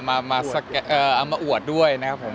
มาอวดด้วยนะครับผม